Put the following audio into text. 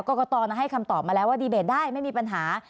กรกตให้คำตอบมาแล้วว่าดีเบตได้ไม่มีปัญหา